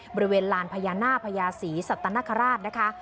บริเวณลานพญานาคพญาศรีสัตนคราชนะคะ